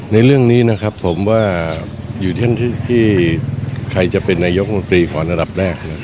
ในเรื่องนี้นะครับผมว่าอยู่ที่ใครจะเป็นนายกรมนตรีก่อนระดับแรก